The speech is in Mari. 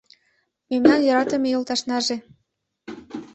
Мемнан йӧратыме йолташнаже